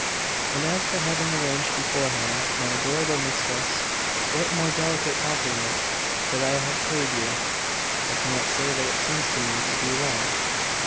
And as for having arranged beforehand my adorable mistress, what more delicate compliment could I have paid you?' 'I cannot say that it seems to me to be one.